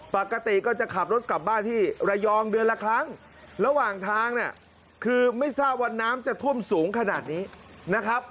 ปกติก็จะขับรถกลับบ้านที่ระยองเดือนละครั้งระหว่างทางเนี่ยคือไม่ทราบว่าน้ำจะท่วมสูงขนาดนี้นะครับ